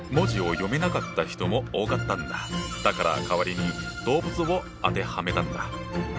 だから代わりに動物を当てはめたんだ。